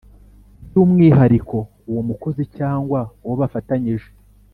By umwihariko uwo mukozi cyangwa uwo bafatanyije